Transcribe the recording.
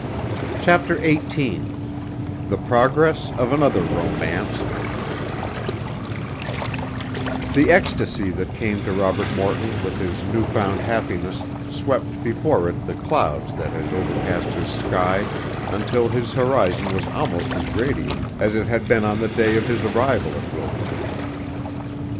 CHAPTER XVIII THE PROGRESS OF ANOTHER ROMANCE The ecstasy that came to Robert Morton with his new found happiness swept before it the clouds that had overcast his sky, until his horizon was almost as radiant as it had been on the day of his arrival at Wilton.